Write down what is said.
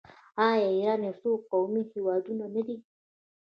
آیا ایران یو څو قومي هیواد نه دی؟